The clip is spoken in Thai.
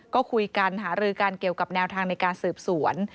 ก็คุยกันหารือกันเกี่ยวกับแนวทางในการสืบสวน